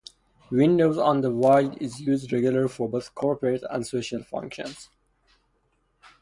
Windows on the Wild is used regularly for both corporate and social functions.